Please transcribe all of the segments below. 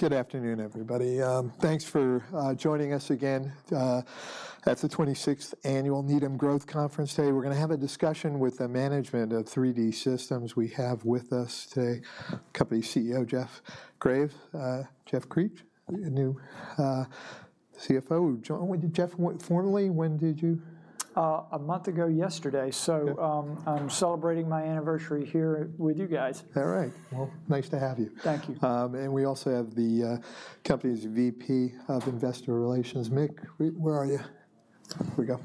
Good afternoon, everybody. Thanks for joining us again at The 26th Annual Needham Growth Conference. Today, we're gonna have a discussion with the management of 3D Systems. We have with us today, company CEO, Jeff Graves. Jeff Creech, the new CFO. John, when did Jeff-- Formally, when did you. A month ago yesterday. Yeah. So, I'm celebrating my anniversary here with you guys. All right. Well, nice to have you. Thank you. And we also have the company's VP of Investor Relations. Mick, where, where are you? Here we go.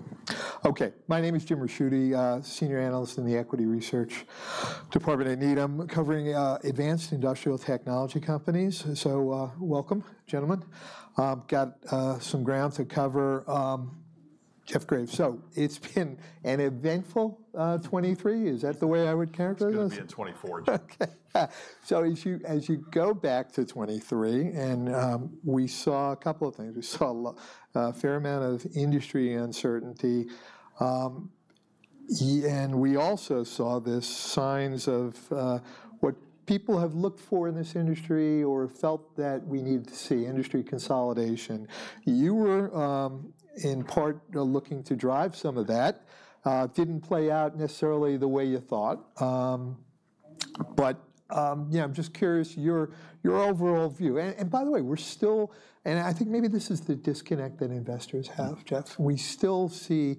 Okay, my name is Jim Ricchiuti, Senior Analyst in the Equity Research department at Needham, covering advanced Industrial Technology companies. So, welcome, gentlemen. Got some ground to cover. Jeff Graves, so it's been an eventful 2023. Is that the way I would characterize it? It's gonna be a 2024, Jim. Okay. So as you, as you go back to 2023, and, we saw a couple of things. We saw a fair amount of industry uncertainty, and we also saw the signs of, what people have looked for in this industry or felt that we needed to see, industry consolidation. You were, in part, looking to drive some of that. Didn't play out necessarily the way you thought. But, yeah, I'm just curious, your, your overall view. And, and by the way, we're still... And I think maybe this is the disconnect that investors have, Jeff. We still see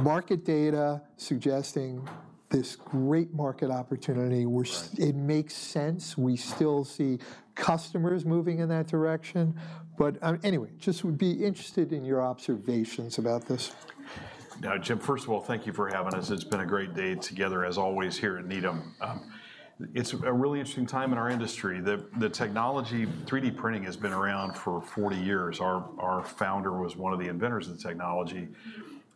market data suggesting this great market opportunity, where- Right... it makes sense. We still see customers moving in that direction. But, anyway, just would be interested in your observations about this. Jim, first of all, thank you for having us. It's been a great day together, as always, here at Needham. It's a really interesting time in our industry. The technology, 3D printing, has been around for 40 years. Our founder was one of the inventors of the technology.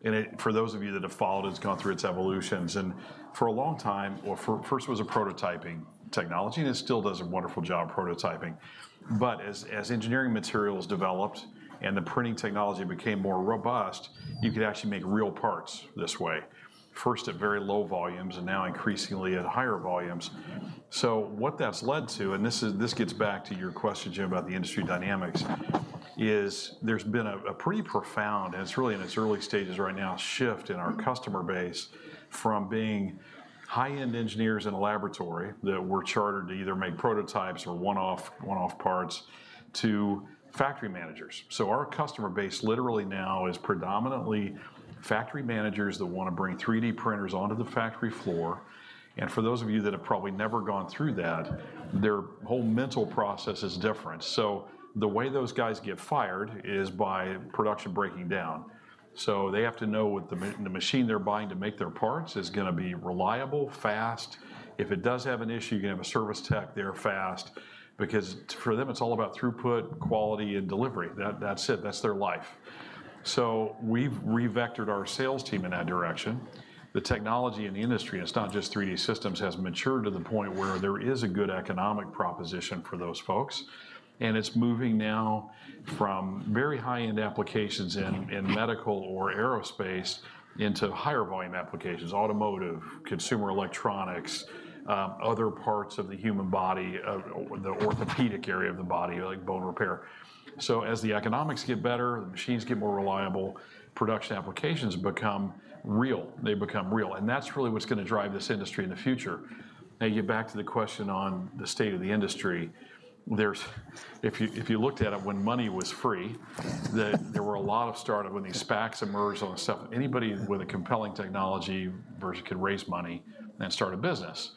And it—for those of you that have followed, it's gone through its evolutions. And for a long time, first, it was a prototyping technology, and it still does a wonderful job prototyping. But as engineering materials developed and the printing technology became more robust, you could actually make real parts this way. First, at very low volumes, and now increasingly at higher volumes. So what that's led to, and this is, this gets back to your question, Jim, about the industry dynamics, is there's been a pretty profound, and it's really in its early stages right now, shift in our customer base from being high-end engineers in a laboratory, that were chartered to either make prototypes or one-off parts, to factory managers. So our customer base literally now is predominantly factory managers that wanna bring 3D printers onto the factory floor. And for those of you that have probably never gone through that, their whole mental process is different. So the way those guys get fired is by production breaking down. So they have to know that the machine they're buying to make their parts is gonna be reliable, fast. If it does have an issue, you can have a service tech there fast, because for them, it's all about throughput, quality, and delivery. That's it. That's their life. So we've re-vectored our sales team in that direction. The technology in the industry, and it's not just 3D Systems, has matured to the point where there is a good economic proposition for those folks. And it's moving now from very high-end applications in medical or aerospace, into higher volume applications, automotive, consumer electronics, other parts of the human body, the orthopedic area of the body, like bone repair. So as the economics get better, the machines get more reliable, production applications become real. They become real, and that's really what's gonna drive this industry in the future. Now, get back to the question on the state of the industry. If you, if you looked at it when money was free, then there were a lot of startups, when these SPACs emerged, all that stuff. Anybody with a compelling technology vs... could raise money and start a business.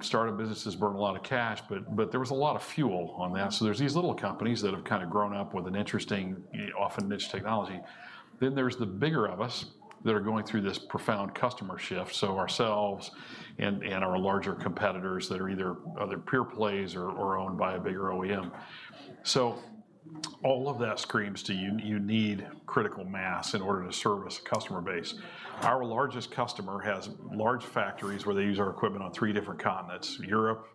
Startup businesses burn a lot of cash, but, but there was a lot of fuel on that. So there's these little companies that have kinda grown up with an interesting, often niche technology. Then, there's the bigger of us that are going through this profound customer shift, so ourselves and, and our larger competitors that are either other peer plays or, or owned by a bigger OEM. So all of that screams to you, you need critical mass in order to service a customer base. Our largest customer has large factories where they use our equipment on three different continents, Europe,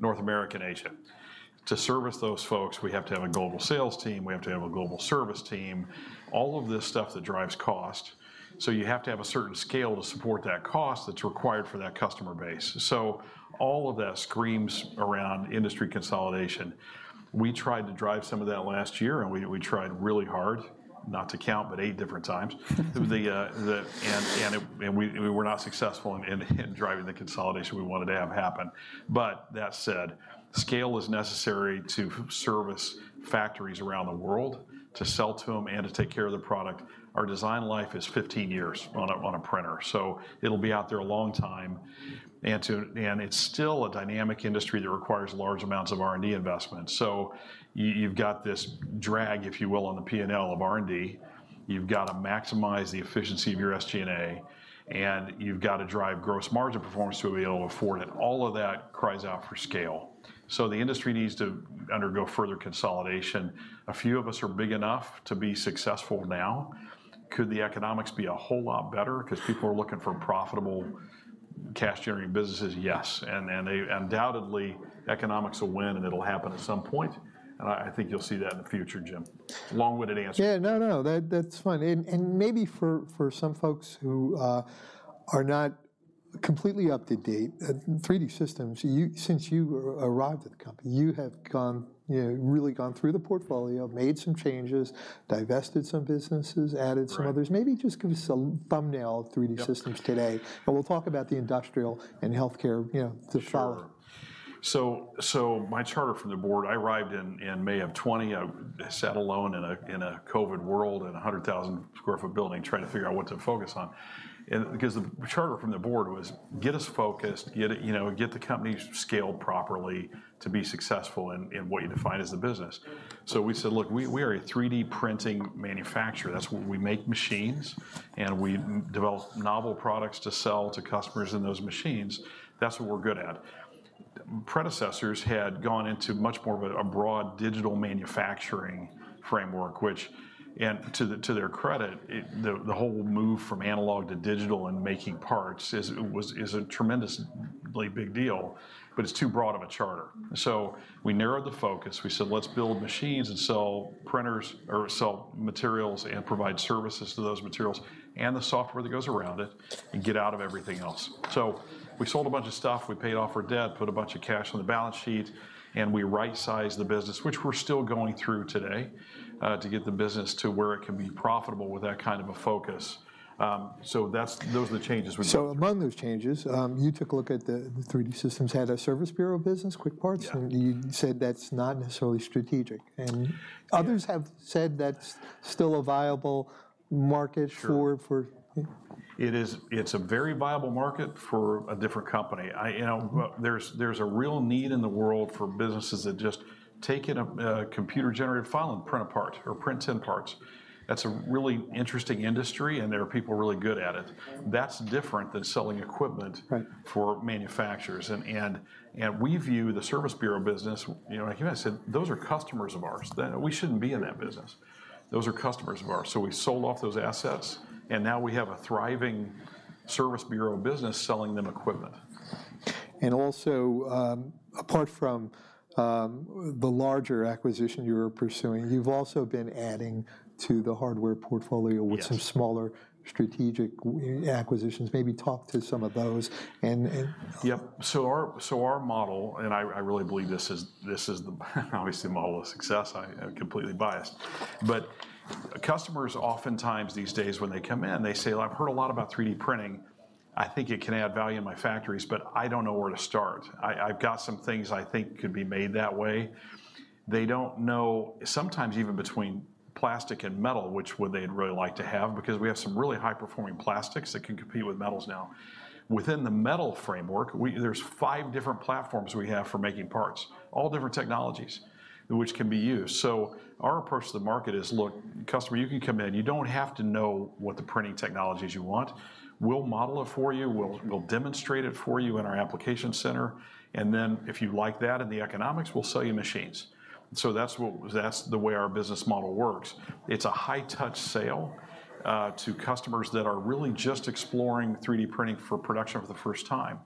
North America, and Asia. To service those folks, we have to have a global sales team, we have to have a global service team, all of this stuff that drives cost. So you have to have a certain scale to support that cost that's required for that customer base. So all of that screams around industry consolidation. We tried to drive some of that last year, and we tried really hard, not to count, but eight different times. And we were not successful in driving the consolidation we wanted to have happen. But that said, scale is necessary to service factories around the world, to sell to them, and to take care of the product. Our design life is 15 years on a printer, so it'll be out there a long time. And it's still a dynamic industry that requires large amounts of R&D investment. So you, you've got this drag, if you will, on the P&L of R&D. You've got to maximize the efficiency of your SG&A, and you've got to drive gross margin performance to be able to afford it. All of that cries out for scale. So the industry needs to undergo further consolidation. A few of us are big enough to be successful now. Could the economics be a whole lot better 'cause people are looking for profitable cash-generating businesses? Yes. And then, they undoubtedly, economics will win, and it'll happen at some point. And I, I think you'll see that in the future, Jim. Long-winded answer. Yeah. No, no, that, that's fine. And maybe for some folks who are not completely up to date, at 3D Systems, you, since you arrived at the company, you have gone, you know, really gone through the portfolio, made some changes, divested some businesses, added some others. Right. Maybe just give us a thumbnail of 3D Systems today? Yep. and we'll talk about the Industrial and Healthcare, you know, the chart. Sure. So my charter from the board, I arrived in May of 2020. I sat alone in a COVID world, in a 100,000 sq ft building, trying to figure out what to focus on. And because the charter from the board was: get us focused, get you know get the company scaled properly to be successful in what you define as a business. So we said, "Look, we are a 3D printing manufacturer. That's what we make machines, and we develop novel products to sell to customers in those machines. That's what we're good at." Predecessors had gone into much more of a broad digital manufacturing framework, which, and to their credit, the whole move from analog to digital in making parts is a tremendously big deal, but it's too broad of a charter. So we narrowed the focus. We said, "Let's build machines and sell printers, or sell materials, and provide services to those materials and the software that goes around it, and get out of everything else." So we sold a bunch of stuff. We paid off our debt, put a bunch of cash on the balance sheet, and we right-sized the business, which we're still going through today, to get the business to where it can be profitable with that kind of a focus. So those are the changes we've made. Among those changes, you took a look at the 3D Systems had a service bureau business, Quickparts. Yeah. You said that's not necessarily strategic, and- Yeah... others have said that's still a viable market for- Sure for, yeah. It is. It's a very viable market for a different company. I, you know- Mm-hmm... well, there's a real need in the world for businesses that just take in a computer-generated file and print a part or print 10 parts. That's a really interesting industry, and there are people really good at it. Okay. That's different than selling equipment- Right... for manufacturers. We view the service bureau business, you know, like I said, those are customers of ours. We shouldn't be in that business. Those are customers of ours. So we sold off those assets, and now we have a thriving service bureau business selling them equipment. And also, apart from the larger acquisition you're pursuing, you've also been adding to the hardware portfolio. Yes... with some smaller strategic acquisitions. Maybe talk to some of those and, and- Yep. So our model, and I really believe this is the obviously model of success. I'm completely biased. But customers, oftentimes these days, when they come in, they say, "Well, I've heard a lot about 3D printing. I think it can add value in my factories, but I don't know where to start. I've got some things I think could be made that way." They don't know, sometimes even between plastic and metal, which would they'd really like to have, because we have some really high-performing plastics that can compete with metals now. Within the metal framework, we, there's five different platforms we have for making parts, all different technologies, which can be used. So our approach to the market is: "Look, customer, you can come in. You don't have to know what the printing technologies you want. We'll model it for you. We'll demonstrate it for you in our application center, and then, if you like that, and the economics, we'll sell you machines." So that's what... That's the way our business model works. It's a high-touch sale to customers that are really just exploring 3D printing for production for the first time.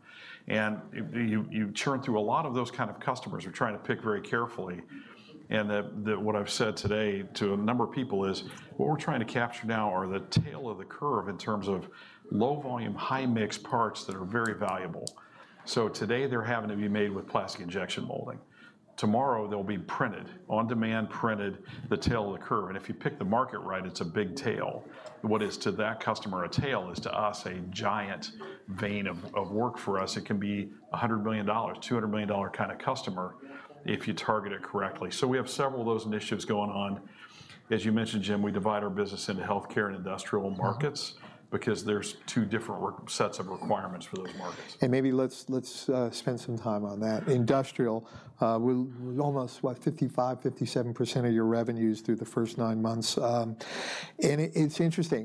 And you churn through a lot of those kind of customers. You're trying to pick very carefully, and that what I've said today to a number of people is, what we're trying to capture now are the tail of the curve in terms of low-volume, high-mix parts that are very valuable. So today, they're having to be made with plastic injection molding. Tomorrow, they'll be printed, on-demand printed, the tail of the curve, and if you pick the market right, it's a big tail. What is to that customer a tail is, to us, a giant vein of work for us. It can be $100 million, $200 million kind of customer if you target it correctly. So we have several of those initiatives going on. As you mentioned, Jim, we divide our business into Healthcare and Industrial markets- Mm-hmm... because there's two different sets of requirements for those markets. And maybe let's spend some time on that. Industrial, we're almost, what, 55%-57% of your revenues through the first nine months. And it's interesting,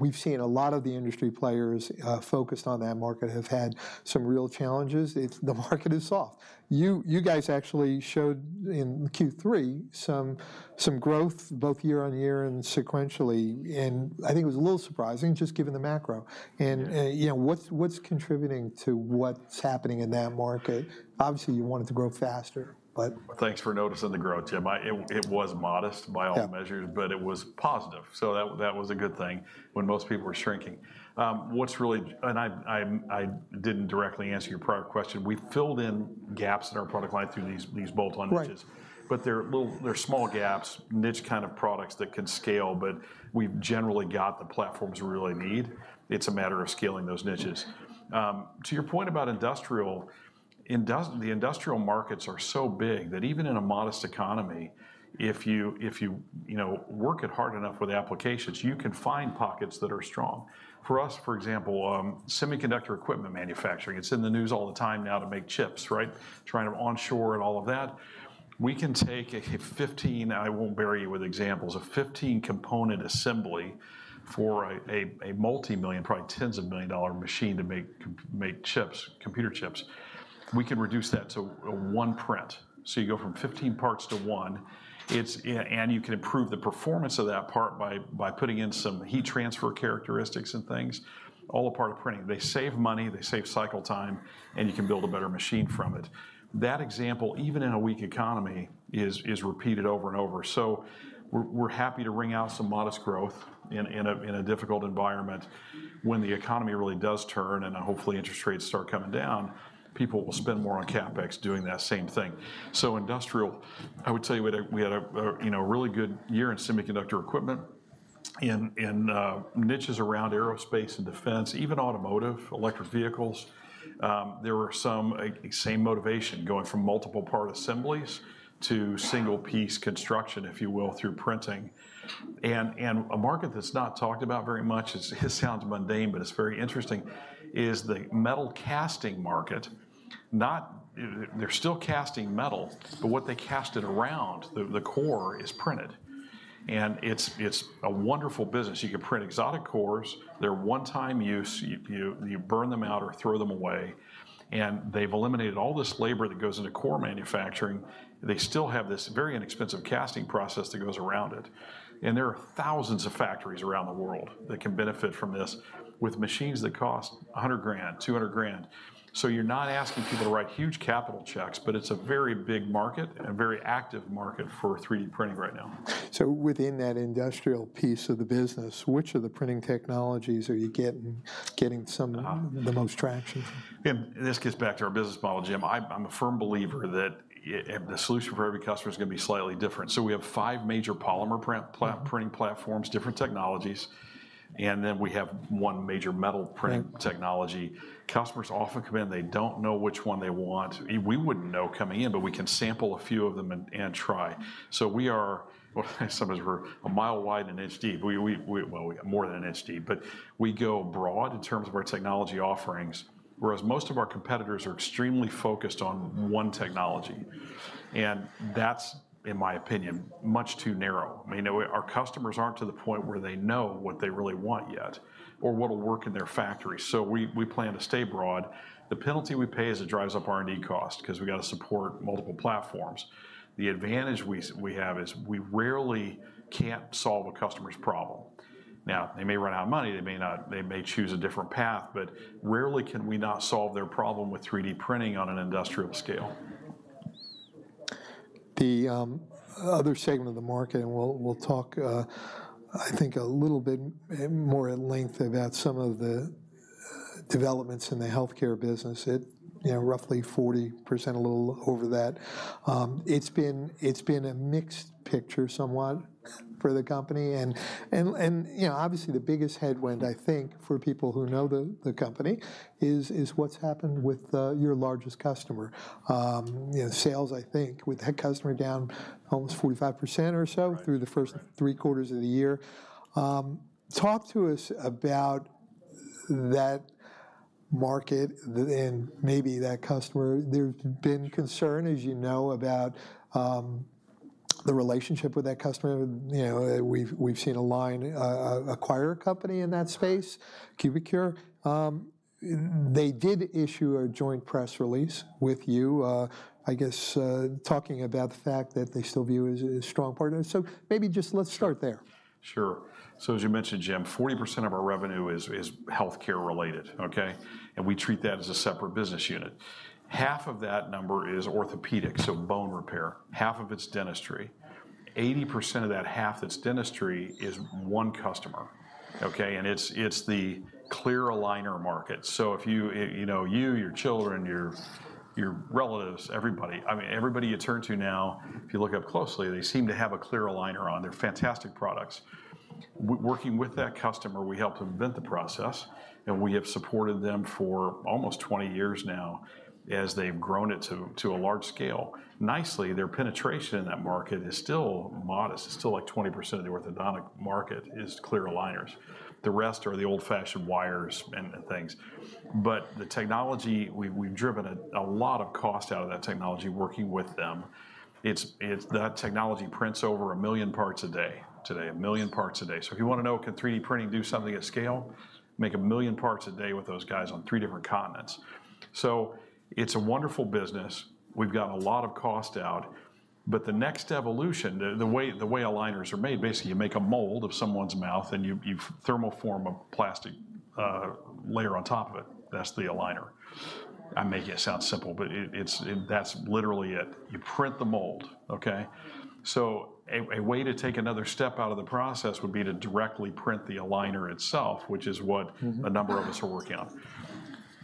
we've seen a lot of the industry players focused on that market have had some real challenges. It's the market is soft. You guys actually showed in Q3 some growth, both year-on-year and sequentially, and I think it was a little surprising, just given the macro. Yeah. You know, what's contributing to what's happening in that market? Obviously, you want it to grow faster, but- Thanks for noticing the growth, Jim. It was modest by all measures. Yeah... but it was positive. So that was a good thing when most people were shrinking. What's really... And I didn't directly answer your prior question. We filled in gaps in our product line through these bolt-on niches. Right. But they're little, they're small gaps, niche kind of products that can scale, but we've generally got the platforms we really need. It's a matter of scaling those niches. Yeah. To your point about the Industrial markets are so big that even in a modest economy, if you, you know, work it hard enough with applications, you can find pockets that are strong. For us, for example, semiconductor equipment manufacturing, it's in the news all the time now to make chips, right? Trying to onshore and all of that. We can take a 15, I won't bore you with examples, a 15-component assembly for a multi-million-dollar, probably $10s of millions machine to make chips, computer chips. We can reduce that to a one print. So you go from 15 parts to one. And you can improve the performance of that part by putting in some heat transfer characteristics and things, all a part of printing. They save money, they save cycle time, and you can build a better machine from it. That example, even in a weak economy, is repeated over and over. So we're happy to wring out some modest growth in a difficult environment. When the economy really does turn and then hopefully interest rates start coming down, people will spend more on CapEx doing that same thing. So Industrial, I would tell you we had a you know really good year in semiconductor equipment in niches around aerospace and defense, even automotive, electric vehicles, there are some same motivation, going from multiple part assemblies to single piece construction, if you will, through printing. And a market that's not talked about very much is. It sounds mundane, but it's very interesting, is the metal casting market. They're still casting metal, but what they cast it around, the core is printed. And it's a wonderful business. You can print exotic cores. They're one-time use. You burn them out or throw them away, and they've eliminated all this labor that goes into core manufacturing. They still have this very inexpensive casting process that goes around it, and there are 1,000s of factories around the world that can benefit from this, with machines that cost $100,000, $200,000. So you're not asking people to write huge capital checks, but it's a very big market and a very active market for 3D printing right now. So within that industrial piece of the business, which of the printing technologies are you getting some- Uh... the most traction from? And this gets back to our business model, Jim. I'm, I'm a firm believer that the solution for every customer is gonna be slightly different. So we have five major polymer printing platforms, different technologies, and then we have one major metal printing- Yeah - technology. Customers often come in, they don't know which one they want. We wouldn't know coming in, but we can sample a few of them and try. So we are sometimes we're a mile wide and an inch deep. Well, more than an inch deep, but we go broad in terms of our technology offerings, whereas most of our competitors are extremely focused on one technology. And that's, in my opinion, much too narrow. I mean, our customers aren't to the point where they know what they really want yet, or what'll work in their factory, so we plan to stay broad. The penalty we pay is it drives up R&D cost, 'cause we've got to support multiple platforms. The advantage we have is we rarely can't solve a customer's problem. Now, they may run out of money, they may not. They may choose a different path, but rarely can we not solve their problem with 3D printing on an industrial scale. The other segment of the market, and we'll talk, I think, a little bit more at length about some of the developments in the Healthcare Solutions. It, you know, roughly 40%, a little over that. It's been a mixed picture somewhat for the company and, you know, obviously, the biggest headwind, I think, for people who know the company, is what's happened with your largest customer. You know, sales, I think, with that customer down almost 45% or so- Right... through the first three quarters of the year. Talk to us about that market and maybe that customer. There's been concern, as you know, about the relationship with that customer. You know, we've, we've seen Align acquire a company in that space, Cubicure. They did issue a joint press release with you, I guess, talking about the fact that they still view you as a strong partner. So maybe just let's start there. Sure. So as you mentioned, Jim, 40% of our revenue is Healthcare related, okay? And we treat that as a separate business unit. 1/2 of that number is orthopedics, so bone repair. 1/2 of it's dentistry. 80% of that 1/2 that's dentistry is one customer, okay? And it's the clear aligner market. So if you, you know, your children, your relatives, everybody, I mean, everybody you turn to now, if you look up closely, they seem to have a clear aligner on. They're fantastic products. Working with that customer, we helped invent the process, and we have supported them for almost 20 years now as they've grown it to a large scale. Nicely, their penetration in that market is still modest. It's still, like, 20% of the orthodontic market is clear aligners. The rest are the old-fashioned wires and things. But the technology, we've driven a lot of cost out of that technology working with them. It's that technology prints over 1 million parts a day today. 1 million parts a day. So if you want to know, can 3D printing do something at scale? Make 1 million parts a day with those guys on three different continents. So it's a wonderful business. We've gotten a lot of cost out, but the next evolution, the way aligners are made, basically, you make a mold of someone's mouth, and you thermal form a plastic layer on top of it. That's the aligner. I'm making it sound simple, but that's literally it. You print the mold, okay? So, a way to take another step out of the process would be to directly print the aligner itself, which is what- Mm-hmm... a number of us are working on.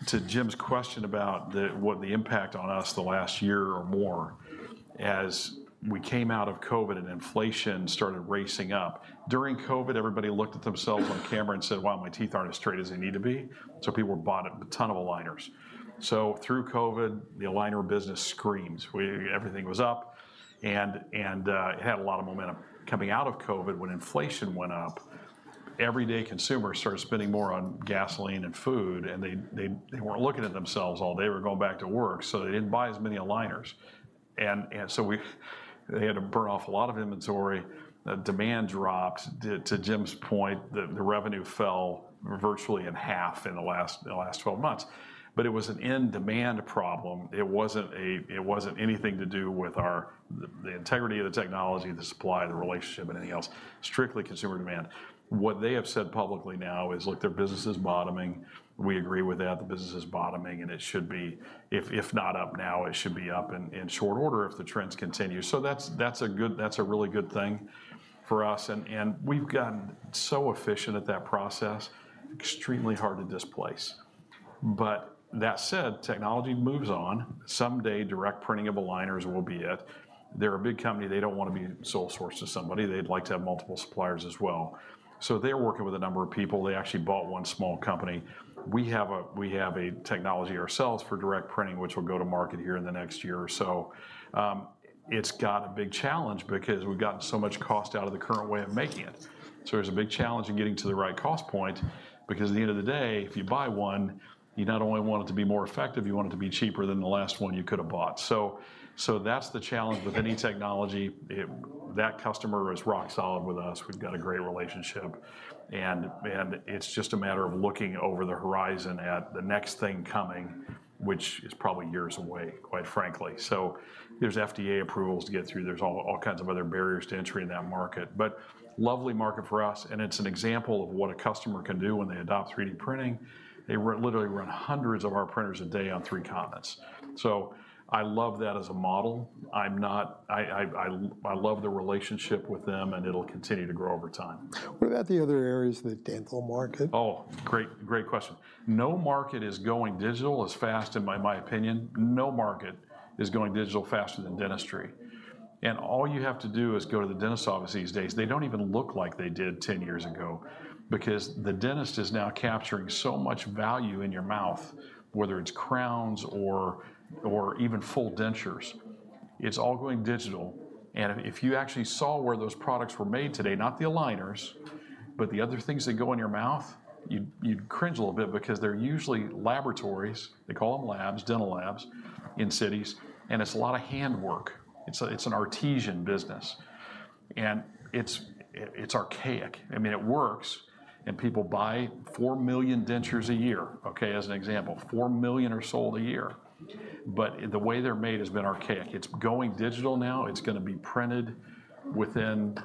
To Jim's question about the, what the impact on us the last year or more, as we came out of COVID and inflation started racing up, during COVID, everybody looked at themselves on camera and said: "Wow, my teeth aren't as straight as they need to be." So people bought a ton of aligners. So through COVID, the aligner business screams. Everything was up, and, and, it had a lot of momentum. Coming out of COVID, when inflation went up, everyday consumers started spending more on gasoline and food, and they, they, they weren't looking at themselves all day. They were going back to work, so they didn't buy as many aligners. And, and so we they had to burn off a lot of inventory. The demand dropped. To Jim's point, the revenue fell virtually in 1/2 in the last 12 months. But it was an end demand problem. It wasn't anything to do with our integrity of the technology, the supply, the relationship, anything else. Strictly consumer demand. What they have said publicly now is, look, their business is bottoming. We agree with that. The business is bottoming, and it should be, if not up now, it should be up in short order if the trends continue. So that's a really good thing for us, and we've gotten so efficient at that process, extremely hard to displace. But that said, technology moves on. Someday, direct printing of aligners will be it. They're a big company, they don't wanna be sole source to somebody. They'd like to have multiple suppliers as well. So they're working with a number of people. They actually bought one small company. We have a technology ourselves for direct printing, which will go to market here in the next year or so. It's got a big challenge because we've gotten so much cost out of the current way of making it. So there's a big challenge in getting to the right cost point, because at the end of the day, if you buy one, you not only want it to be more effective, you want it to be cheaper than the last one you could have bought. So, so that's the challenge with any technology. That customer is rock solid with us. We've got a great relationship, and, and it's just a matter of looking over the horizon at the next thing coming, which is probably years away, quite frankly. There's FDA approvals to get through, there's all kinds of other barriers to entry in that market, but lovely market for us, and it's an example of what a customer can do when they adopt 3D printing. They literally run 100s of our printers a day on 3D Systems. So I love that as a model. I love the relationship with them, and it'll continue to grow over time. What about the other areas of the dental market? Oh, great, great question. No market is going digital as fast, in my, my opinion, no market is going digital faster than dentistry. And all you have to do is go to the dentist office these days. They don't even look like they did 10 years ago, because the dentist is now capturing so much value in your mouth, whether it's crowns or, or even full dentures. It's all going digital, and if you actually saw where those products were made today, not the aligners, but the other things that go in your mouth, you'd, you'd cringe a little bit because they're usually laboratories. They call them labs, dental labs, in cities, and it's a lot of hand work. It's a, it's an artisan business, and it's, it's archaic. I mean, it works, and people buy 4 million dentures a year, okay? As an example, 4 million are sold a year, but the way they're made has been archaic. It's going digital now. It's gonna be printed within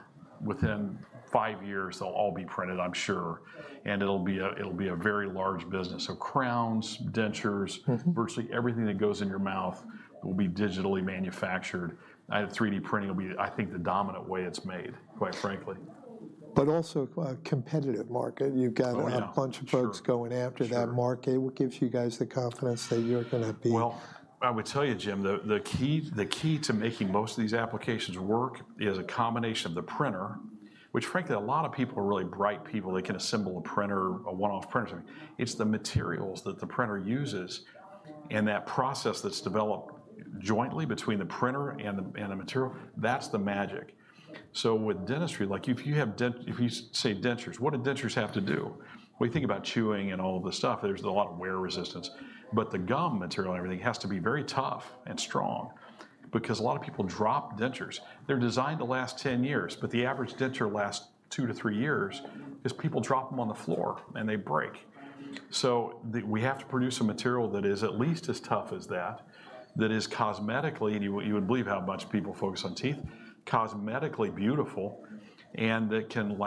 five years, they'll all be printed, I'm sure, and it'll be a, it'll be a very large business. So crowns, dentures... Mm-hmm. Virtually everything that goes in your mouth will be digitally manufactured. 3D printing will be, I think, the dominant way it's made, quite frankly. But also a competitive market. Oh, yeah. You've got a bunch of folks- Sure. going after that market. Sure. What gives you guys the confidence that you're gonna be- Well, I would tell you, Jim, the key to making most of these applications work is a combination of the printer, which frankly, a lot of people are really bright people. They can assemble a printer, a one-off printer. It's the materials that the printer uses and that process that's developed jointly between the printer and the material, that's the magic. So with dentistry, like, if you say, dentures, what do dentures have to do? We think about chewing and all of the stuff. There's a lot of wear resistance, but the gum material and everything has to be very tough and strong because a lot of people drop dentures. They're designed to last 10 years, but the average denture lasts two to three years, is people drop them on the floor, and they break. So we have to produce a material that is at least as tough as that, that is cosmetically, and you would believe how much people focus on teeth, cosmetically beautiful, and that can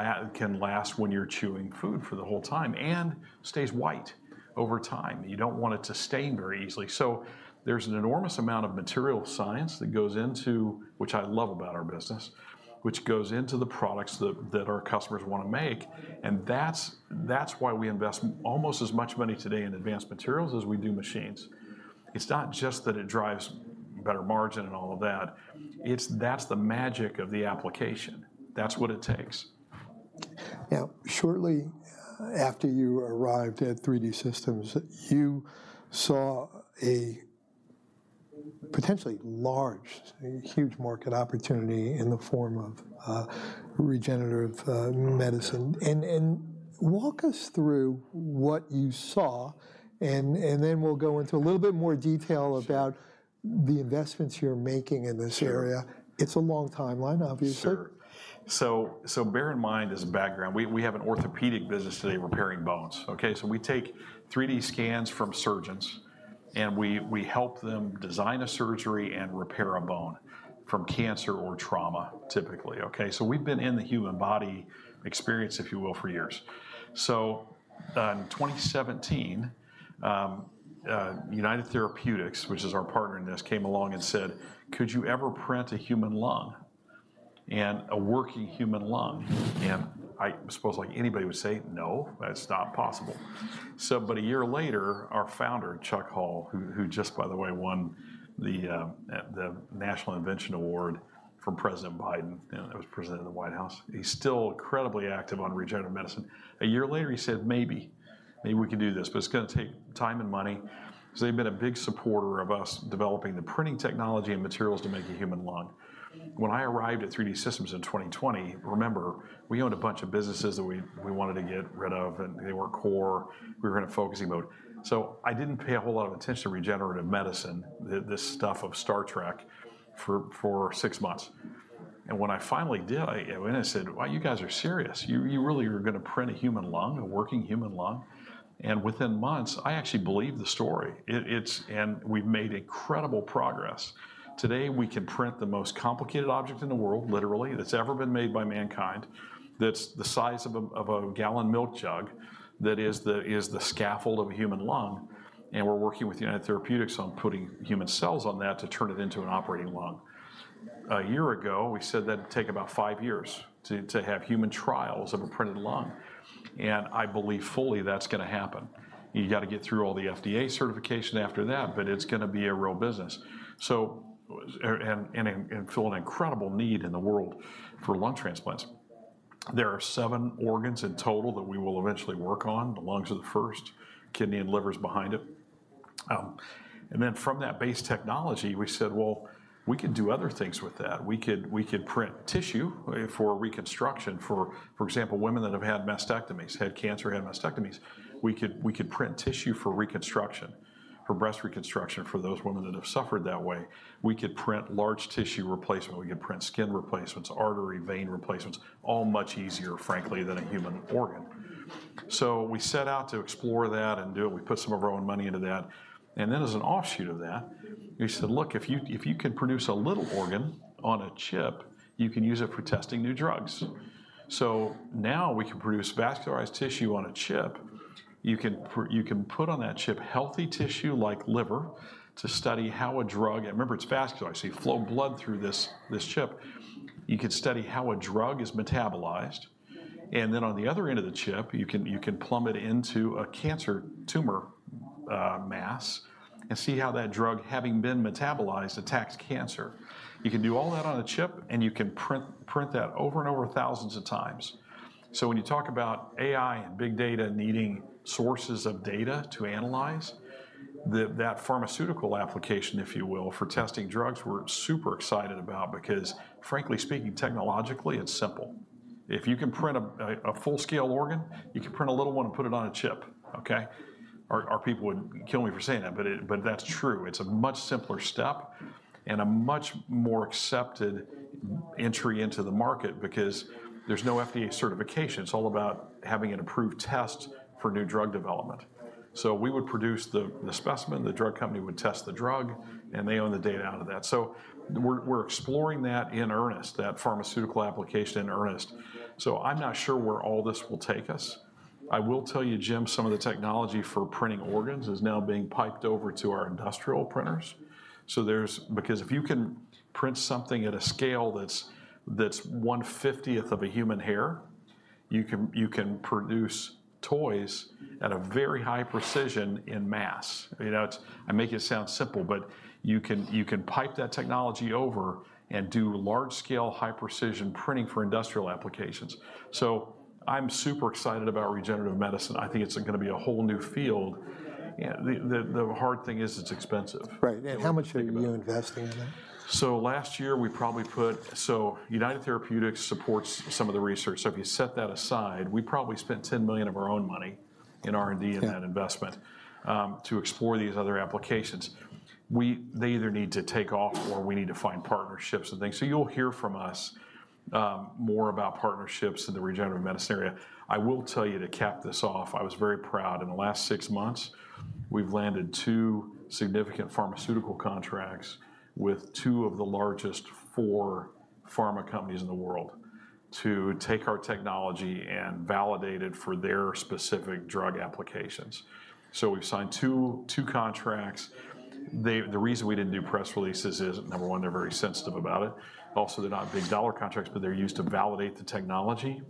last when you're chewing food for the whole time, and stays white over time. You don't want it to stain very easily. So there's an enormous amount of material science that goes into, which I love about our business, which goes into the products that our customers wanna make, and that's why we invest almost as much money today in advanced materials as we do machines. It's not just that it drives better margin and all of that, it's that's the magic of the application. That's what it takes. Now, shortly after you arrived at 3D Systems, you saw a potentially large, huge market opportunity in the form of regenerative medicine. And walk us through what you saw, and then we'll go into a little bit more detail. Sure... about the investments you're making in this area. Sure. It's a long timeline, obviously. Sure. So bear in mind as a background, we have an orthopedic business today repairing bones, okay? So we take 3D scans from surgeons, and we help them design a surgery and repair a bone from cancer or trauma, typically, okay? So we've been in the human body experience, if you will, for years. So in 2017, United Therapeutics, which is our partner in this, came along and said, "Could you ever print a human lung and a working human lung?" And I suppose like anybody would say, "No, that's not possible." So but a year later, our founder, Chuck Hull, who just by the way, won the National Medal of Technology and Innovation from President Biden, it was presented in the White House. He's still incredibly active on regenerative medicine. A year later, he said, "Maybe. Maybe we can do this, but it's gonna take time and money." So they've been a big supporter of us developing the printing technology and materials to make a human lung. When I arrived at 3D Systems in 2020, remember, we owned a bunch of businesses that we wanted to get rid of, and they weren't core. We were in a focusing mode, so I didn't pay a whole lot of attention to Regenerative Medicine, this stuff of Star Trek, for six months. And when I finally did, I, I went I said, "Wow, you guys are serious. You, you really are gonna print a human lung, a working human lung?" And within months, I actually believed the story. It, it's and we've made incredible progress. Today, we can print the most complicated object in the world, literally, that's ever been made by mankind, that's the size of a gallon milk jug, that is the scaffold of a human lung, and we're working with United Therapeutics on putting human cells on that to turn it into an operating lung. A year ago, we said that'd take about five years to have human trials of a printed lung, and I believe fully that's gonna happen. You've got to get through all the FDA certification after that, but it's gonna be a real business. So, fill an incredible need in the world for lung transplants. There are seven organs in total that we will eventually work on. The lungs are the first, kidney and liver is behind it. And then from that base technology, we said, "Well, we can do other things with that." We could, we could print tissue, for reconstruction, for example, women that have had mastectomies, had cancer, had mastectomies. We could, we could print tissue for reconstruction, for breast reconstruction, for those women that have suffered that way. We could print large tissue replacement, we could print skin replacements, artery, vein replacements, all much easier, frankly, than a human organ. So we set out to explore that and do it. We put some of our own money into that. And then, as an offshoot of that, we said: Look, if you, if you can produce a little organ on a chip, you can use it for testing new drugs. So now we can produce vascularized tissue on a chip. You can put on that chip healthy tissue like liver to study how a drug. And remember, it's vascular, so you flow blood through this chip. You could study how a drug is metabolized, and then on the other end of the chip, you can plumb it into a cancer tumor mass, and see how that drug, having been metabolized, attacks cancer. You can do all that on a chip, and you can print that over and over 1,000s of times. So when you talk about AI and big data needing sources of data to analyze, that pharmaceutical application, if you will, for testing drugs, we're super excited about because frankly speaking, technologically, it's simple. If you can print a full-scale organ, you can print a little one and put it on a chip, okay? Our people would kill me for saying that, but it, but that's true. It's a much simpler step and a much more accepted entry into the market because there's no FDA certification. It's all about having an approved test for new drug development. So we would produce the specimen, the drug company would test the drug, and they own the data out of that. So we're exploring that in earnest, that pharmaceutical application in earnest. So I'm not sure where all this will take us. I will tell you, Jim, some of the technology for printing organs is now being piped over to our Industrial printers. So there's, because if you can print something at a scale that's one-fiftieth of a human hair, you can produce toys at a very high precision in mass. You know, it's. I make it sound simple, but you can pipe that technology over and do large-scale, high-precision printing for Industrial applications. So I'm super excited about regenerative medicine. I think it's gonna be a whole new field. Yeah, the hard thing is, it's expensive. Right. And how much are you investing in that? Last year, we probably put... United Therapeutics supports some of the research. If you set that aside, we probably spent $10 million of our own money in R&D- Yeah... in that investment, to explore these other applications. They either need to take off or we need to find partnerships and things. So you'll hear from us, more about partnerships in the regenerative medicine area. I will tell you, to cap this off, I was very proud. In the last six months, we've landed two significant pharmaceutical contracts with two of the largest four pharma companies in the world, to take our technology and validate it for their specific drug applications. So we've signed two, two contracts. They The reason we didn't do press releases is, number one, they're very sensitive about it. Also, they're not big dollar contracts, but they're used to validate the technology.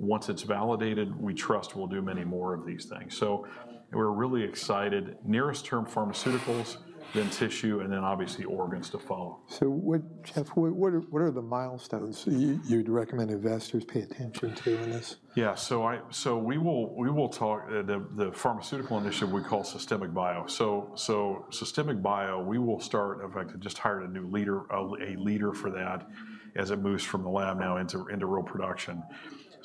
Once it's validated, we trust we'll do many more of these things. So we're really excited. Nearest term, pharmaceuticals, then tissue, and then obviously organs to follow. So what—Jeff, what are the milestones you'd recommend investors pay attention to in this? Yeah. So we will talk about the pharmaceutical initiative, we call Systemic Bio. So Systemic Bio, we will start. In fact, I just hired a new leader for that, as it moves from the lab now into real production.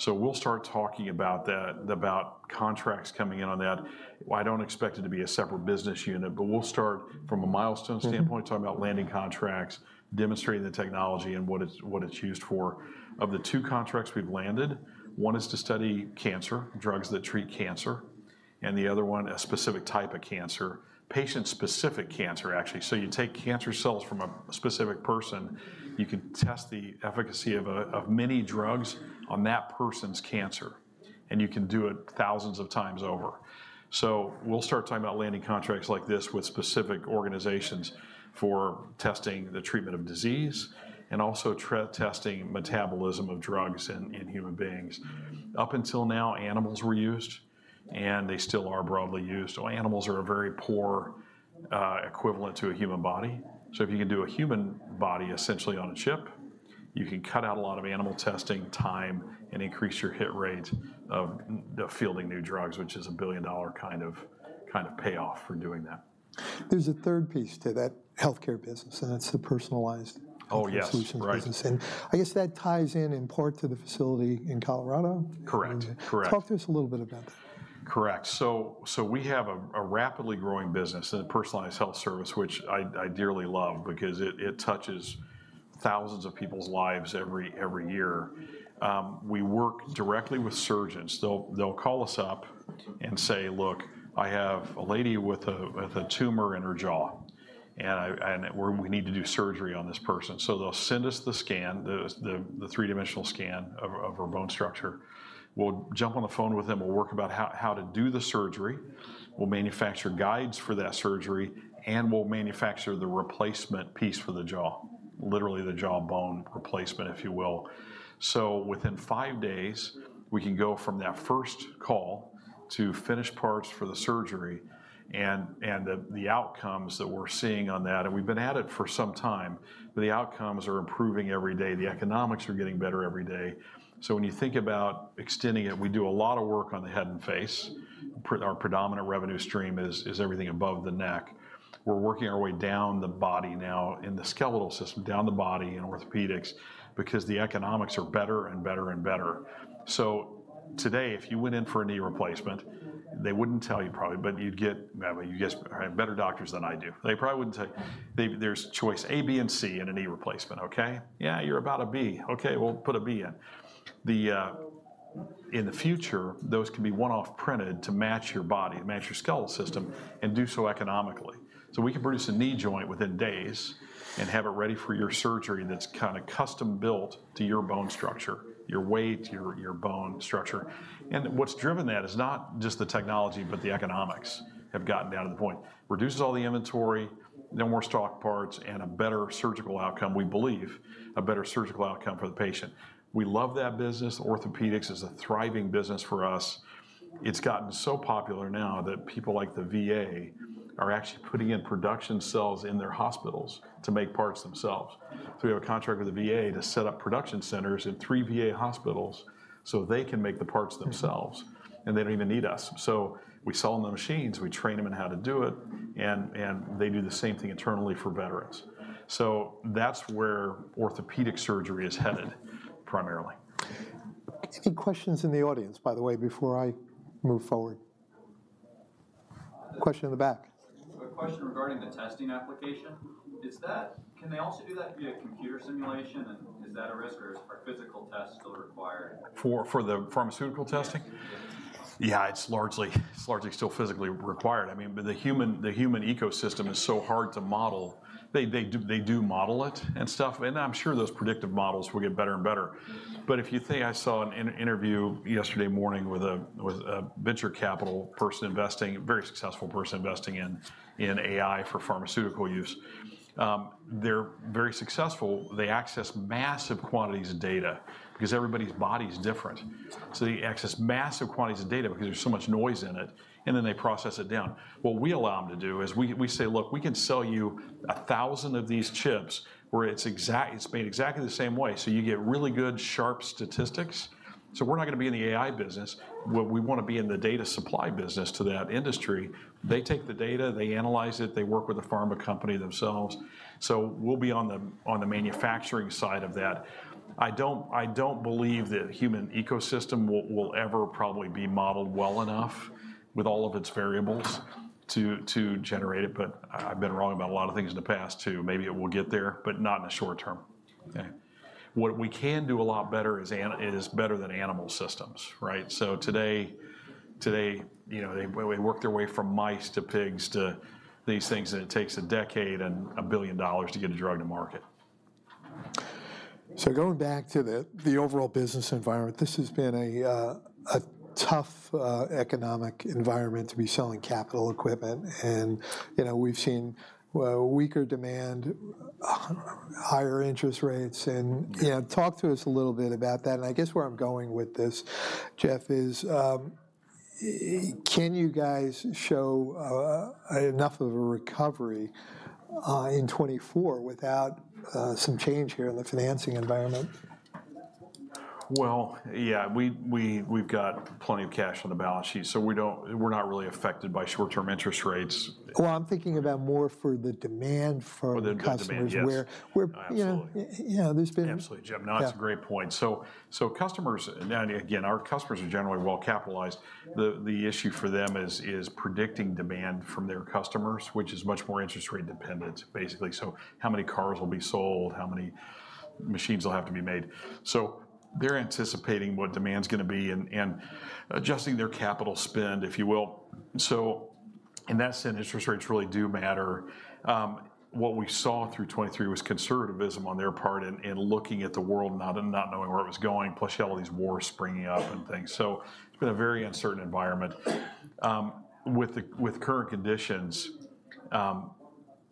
So we'll start talking about that, about contracts coming in on that. Well, I don't expect it to be a separate business unit, but we'll start from a milestone standpoint- Mm-hmm... talking about landing contracts, demonstrating the technology, and what it's used for. Of the two contracts we've landed, one is to study cancer drugs that treat cancer, and the other one, a specific type of cancer. Patient-specific cancer, actually. So you take cancer cells from a specific person, you can test the efficacy of many drugs on that person's cancer, and you can do it 1,000s of times over. So we'll start talking about landing contracts like this with specific organizations for testing the treatment of disease, and also testing metabolism of drugs in human beings. Up until now, animals were used, and they still are broadly used. So animals are a very poor equivalent to a human body. So if you can do a human body essentially on a chip, you can cut out a lot of animal testing time and increase your hit rate of fielding new drugs, which is a billion-dollar kind of payoff for doing that. There's a third piece to that Healthcare Solutions, and that's the personalized- Oh, yes... Solutions Business. Right. I guess that ties in, in part to the facility in Colorado? Correct. Correct. Talk to us a little bit about that. Correct. So we have a rapidly growing business in personalized health service, which I dearly love, because it touches 1,000s of people's lives every year. We work directly with surgeons. They'll call us up and say, "Look, I have a lady with a tumor in her jaw, and we need to do surgery on this person." So they'll send us the scan, the three-dimensional scan of her bone structure. We'll jump on the phone with them. We'll work about how to do the surgery. We'll manufacture guides for that surgery, and we'll manufacture the replacement piece for the jaw, literally the jawbone replacement, if you will. So within five days, we can go from that first call to finished parts for the surgery. The outcomes that we're seeing on that, and we've been at it for some time, the outcomes are improving every day. The economics are getting better every day. So when you think about extending it, we do a lot of work on the head and face. Our predominant revenue stream is everything above the neck. We're working our way down the body now, in the skeletal system, down the body in orthopedics, because the economics are better and better and better. So today, if you went in for a knee replacement, they wouldn't tell you probably, but you'd get... Well, you guys have better doctors than I do. They probably wouldn't tell you. Maybe there's choice A, B, and C in a knee replacement, okay? Yeah, you're about a B. Okay, we'll put a B in. In the future, those can be one-off printed to match your body, to match your skeletal system and do so economically. So we can produce a knee joint within days and have it ready for your surgery, and that's kind of custom-built to your bone structure, your weight, your, your bone structure. And what's driven that is not just the technology, but the economics have gotten down to the point. Reduces all the inventory, no more stock parts, and a better surgical outcome, we believe, a better surgical outcome for the patient. We love that business. Orthopedics is a thriving business for us. It's gotten so popular now that people like the VA are actually putting in production cells in their hospitals to make parts themselves. So we have a contract with the VA to set up production centers in 3 VA hospitals so they can make the parts themselves, and they don't even need us. So we sell them the machines, we train them in how to do it, and they do the same thing internally for veterans. So that's where orthopedic surgery is headed, primarily. Any questions in the audience, by the way, before I move forward? Question in the back. A question regarding the testing application. Can they also do that via computer simulation? And is that a risk or are physical tests still required? For the pharmaceutical testing? Yes. Yeah, it's largely still physically required. I mean, the human ecosystem is so hard to model. They do model it and stuff, and I'm sure those predictive models will get better and better. But if you think, I saw an interview yesterday morning with a venture capital person investing, a very successful person investing in AI for pharmaceutical use. They're very successful. They access massive quantities of data because everybody's body is different. So they access massive quantities of data because there's so much noise in it, and then they process it down. What we allow them to do is we say, "Look, we can sell you 1,000 of these chips where it's exactly made the same way, so you get really good, sharp statistics." So we're not gonna be in the AI business, but we wanna be in the data supply business to that industry. They take the data, they analyze it, they work with a pharma company themselves. So we'll be on the manufacturing side of that. I don't believe the human ecosystem will ever probably be modeled well enough with all of its variables to generate it, but I've been wrong about a lot of things in the past, too. Maybe it will get there, but not in the short term. Okay. What we can do a lot better is it is better than animal systems, right? Today, you know, they work their way from mice to pigs to these things, and it takes a decade and $1 billion to get a drug to market. So going back to the overall business environment, this has been a tough economic environment to be selling capital equipment. And, you know, we've seen, well, weaker demand, higher interest rates and, you know, talk to us a little bit about that. And I guess where I'm going with this, Jeff, is can you guys show enough of a recovery in 2024 without some change here in the financing environment? Well, yeah, we've got plenty of cash on the balance sheet, so we don't. We're not really affected by short-term interest rates. Well, I'm thinking about more for the demand for the customers- Oh, the demand. Yes... where- Absolutely. Yeah, there's been- Absolutely, Jim. No, that's a great point. Yeah. So customers, and again, our customers are generally well capitalized. The issue for them is predicting demand from their customers, which is much more interest rate dependent, basically. So how many cars will be sold, how many machines will have to be made? So they're anticipating what demand is gonna be and adjusting their capital spend, if you will. So in that sense, interest rates really do matter. What we saw through 2023 was conservatism on their part in looking at the world, not knowing where it was going, plus you have all these wars springing up and things. So it's been a very uncertain environment. With current conditions,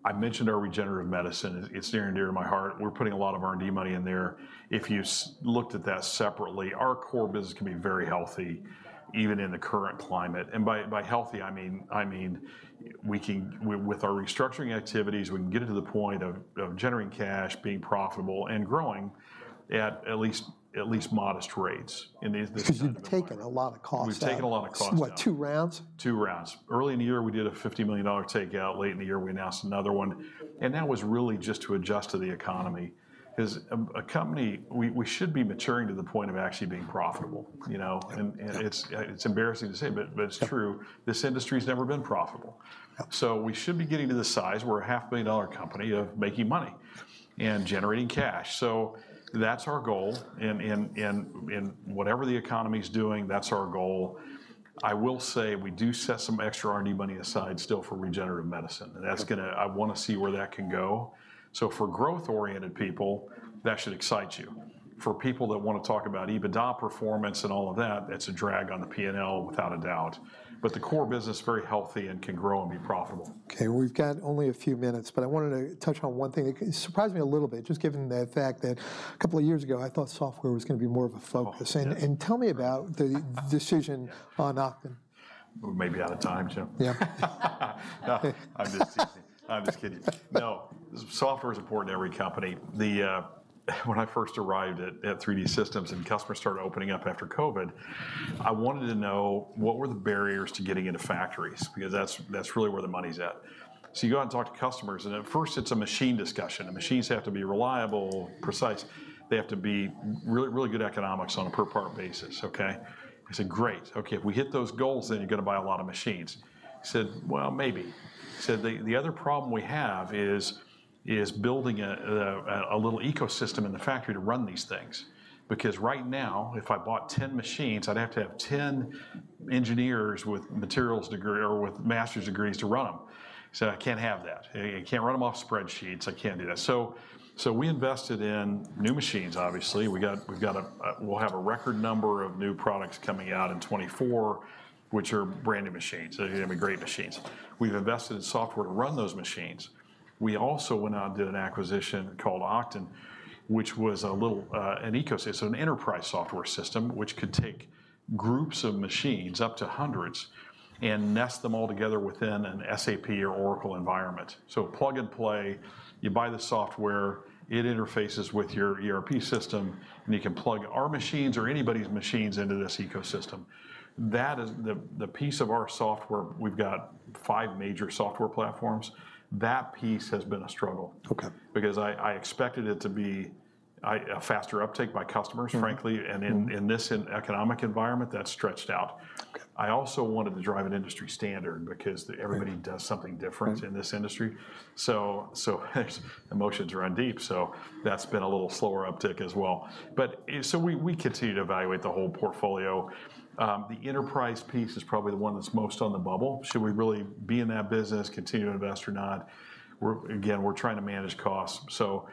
I mentioned our regenerative medicine. It's near and dear to my heart. We're putting a lot of R&D money in there. If you looked at that separately, our core business can be very healthy, even in the current climate. By healthy, I mean we can... With our restructuring activities, we can get it to the point of generating cash, being profitable, and growing at least modest rates in this- 'Cause you've taken a lot of costs out. We've taken a lot of costs out. What, two rounds? Two rounds. Early in the year, we did a $50 million takeout. Late in the year, we announced another one, and that was really just to adjust to the economy. 'Cause a company, we should be maturing to the point of actually being profitable, you know? Yeah. And it's embarrassing to say, but it's true. This industry's never been profitable. Yeah. So we should be getting to the size, we're a $500 million company, of making money... and generating cash. So that's our goal, and whatever the economy's doing, that's our goal. I will say we do set some extra R&D money aside still for regenerative medicine, and that's gonna—I wanna see where that can go. So for growth-oriented people, that should excite you. For people that wanna talk about EBITDA performance and all of that, that's a drag on the P&L without a doubt. But the core business is very healthy and can grow and be profitable. Okay, we've got only a few minutes, but I wanted to touch on one thing. It surprised me a little bit, just given the fact that a couple of years ago, I thought software was gonna be more of a focus. Oh, yes. Tell me about the decision on Oqton. We may be out of time, Jim. Yeah. I'm just teasing. I'm just kidding. No, software is important to every company. When I first arrived at 3D Systems and customers started opening up after COVID, I wanted to know what were the barriers to getting into factories, because that's really where the money's at. So you go out and talk to customers, and at first it's a machine discussion, and machines have to be reliable, precise. They have to be really, really good economics on a per-part basis, okay? I said, "Great, okay, if we hit those goals, then you're gonna buy a lot of machines." He said, "Well, maybe." He said, "The other problem we have is building a little ecosystem in the factory to run these things, because right now, if I bought ten machines, I'd have to have ten engineers with materials degree or with master's degrees to run them." He said, "I can't have that. I can't run them off spreadsheets. I can't do that." So we invested in new machines, obviously. We'll have a record number of new products coming out in 2024, which are brand-new machines. They're gonna be great machines. We've invested in software to run those machines. We also went out and did an acquisition called Oqton, which was a little, an ecosystem, an enterprise software system, which could take groups of machines, up to 100s, and nest them all together within an SAP or Oracle environment. So plug and play, you buy the software, it interfaces with your ERP system, and you can plug our machines or anybody's machines into this ecosystem. That is the, the piece of our software, we've got five major software platforms. That piece has been a struggle- Okay. because I expected it to be a faster uptake by customers, frankly. Mm-hmm. In this economic environment, that's stretched out. Okay. I also wanted to drive an industry standard because everybody does something different in this industry. So emotions run deep, so that's been a little slower uptick as well. But so we continue to evaluate the whole portfolio. The enterprise piece is probably the one that's most on the bubble. Should we really be in that business, continue to invest or not? We're, again, we're trying to manage costs, so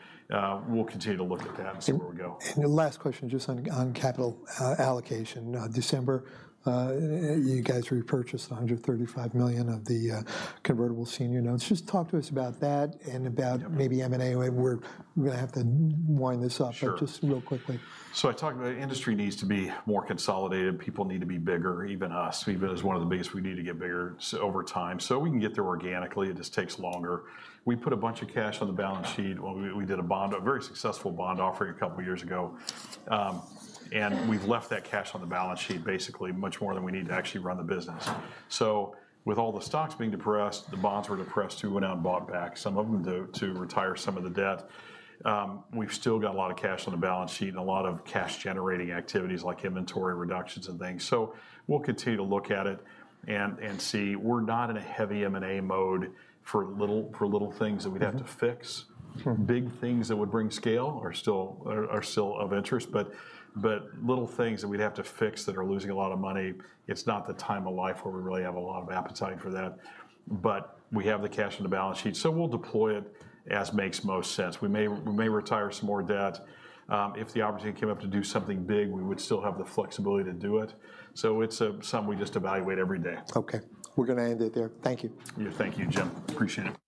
we'll continue to look at that and see where we go. The last question, just on capital allocation. December, you guys repurchased $135 million of the convertible senior notes. Just talk to us about that and about maybe M&A. We're gonna have to wind this up- Sure. But just real quickly. So I talked about industry needs to be more consolidated. People need to be bigger, even us. We've been as one of the biggest, we need to get bigger so over time, so we can get there organically, it just takes longer. We put a bunch of cash on the balance sheet. Well, we did a bond, a very successful bond offering a couple of years ago. And we've left that cash on the balance sheet, basically much more than we need to actually run the business. So with all the stocks being depressed, the bonds were depressed too. We went out and bought back some of them to retire some of the debt. We've still got a lot of cash on the balance sheet and a lot of cash-generating activities like inventory reductions and things. So we'll continue to look at it and see. We're not in a heavy M&A mode for little things that we'd have to fix. Sure. Big things that would bring scale are still of interest, but little things that we'd have to fix that are losing a lot of money. It's not the time of life where we really have a lot of appetite for that. But we have the cash on the balance sheet, so we'll deploy it as makes most sense. We may retire some more debt. If the opportunity came up to do something big, we would still have the flexibility to do it. So it's something we just evaluate every day. Okay, we're gonna end it there. Thank you. Yeah. Thank you, Jim. Appreciate it.